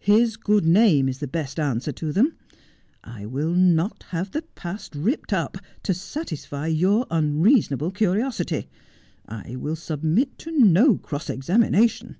His good name is the best answer to them. I will not have the past ripped up to satisfy your un reasonable curiosity. I will submit to no cross examination.